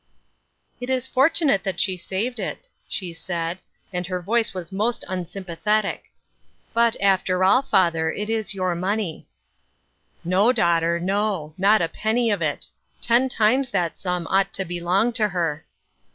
" It is fortunate that she saved it," she said, and her voice was most unsympathetic. " But, after all, father, it is your money." " No, daughter, no ; not a penny of it. Ten times that sum ought to belong to her.